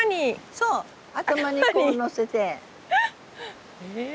そう頭にこうのせて。へ。